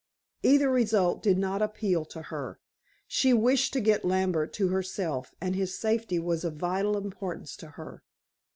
Either result did not appeal to her. She wished to get Lambert to herself, and his safety was of vital importance to her.